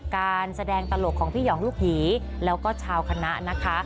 การแสดงตลกของพี่หองลูกหีแล้วก็ชาวคณะนะคะ